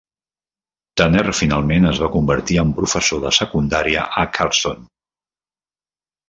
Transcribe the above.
Tanner finalment es va convertir en professor de secundària a Cardston.